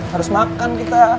harus makan kita